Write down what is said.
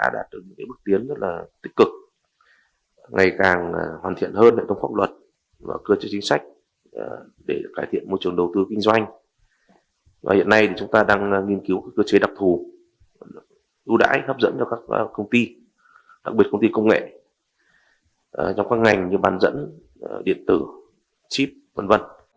đặc biệt công ty công nghệ trong các ngành như bàn dẫn điện tử chip v v